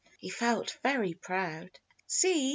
He felt very proud. "See!"